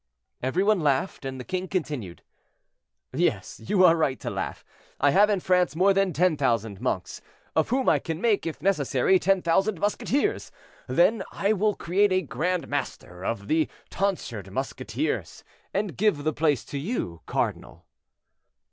Every one laughed, and the king continued: "Yes, you are right to laugh; I have in France more than ten thousand monks, of whom I can make, if necessary, ten thousand musketeers; then I will create a Grand Master of the Tonsured Musketeers, and give the place to you, cardinal."